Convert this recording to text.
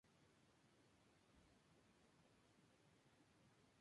Grietas longitudinales gruesas, reticulares pocas y muy finas.